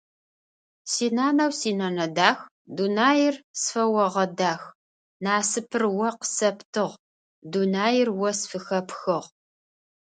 Синанэу синэнэ дах, дунаир сфэогъэдах, насыпыр о къысэптыгъ, дунаир о сфыхэпхыгъ.